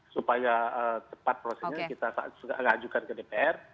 supaya tepat prosesnya kita ngajukan ke dpr